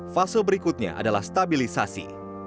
fase berikutnya adalah stabilisasi